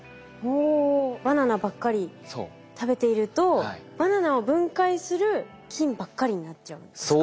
おバナナばっかり食べているとバナナを分解する菌ばっかりになっちゃうんですか？